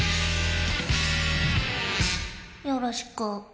よろしく。